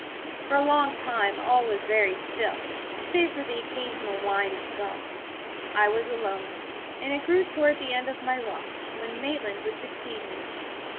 For a long time all was very still, save for the occasional whine of a dog. I was alone, and it grew toward the end of my watch, when Maitland would succeed me.